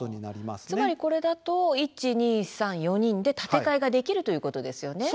つまりこれだと１、２、３、４で建て替えできるということなんですね。